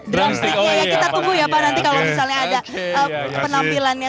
drum slicknya ya kita tunggu ya pak nanti kalau misalnya ada penampilannya